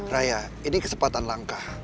raya ini kesempatan langka